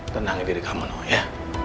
tenangkan diri kamu no ya